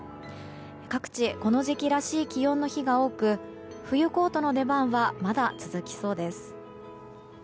各地、この時期らしい気温の日が多く冬コートの出番はまだ続きそうです。